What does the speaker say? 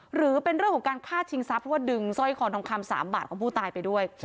หรือเป็นเรื่องของการฆ่าชิงทรัพย์เพราะว่าดึงสร้อยคอทองคำ๓บาทของผู้ตายไปด้วย